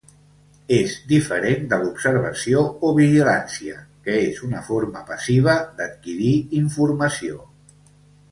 És diferent de l'observació o vigilància, que és una forma passiva d'adquirir informació.